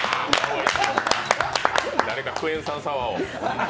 誰かクエン酸サワーを。